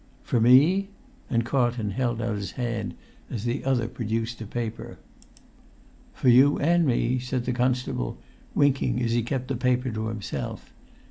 "For me?" and Carlton held out his hand as the other produced a paper. "For you an' me," said the constable, winking as he kept the paper to himself.